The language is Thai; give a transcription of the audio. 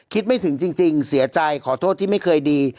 คิดไม่ถึงจริงเสียใจขอโทษที่ไม่เคยดี